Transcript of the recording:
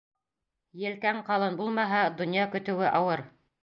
Елкәң ҡалын булмаһа, донъя көтөүе ауыр.